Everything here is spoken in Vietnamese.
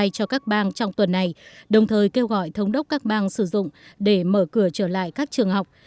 cho các bang trong tuần này đồng thời kêu gọi thống đốc các bang sử dụng để mở cửa trở lại các trường học